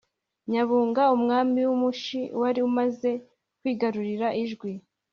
nyebunga, umwami w'umushi wari umaze kwigarurira ijwi.